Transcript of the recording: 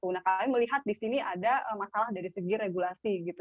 nah kami melihat di sini ada masalah dari segi regulasi gitu